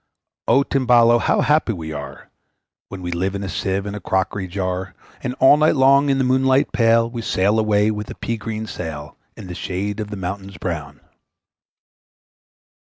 `O Timballo! How happy we are, When we live in a Sieve and a crockery jar, And all night long in the moonlight pale, We sail away with a pea green sail, In the shade of the mountains brown!'